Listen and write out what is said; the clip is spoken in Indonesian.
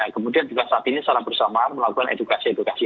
kemudian juga saat ini salam bersama melakukan edukasi edukasi